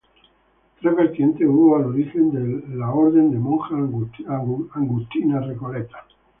Tres vertientes hubo al origen de la Orden de Monjas Agustinas Recoletas.